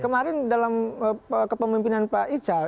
kemarin dalam kepemimpinan pak ical